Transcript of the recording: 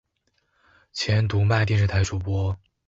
前读卖电视台主播。